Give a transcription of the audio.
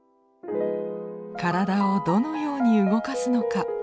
体をどのように動かすのか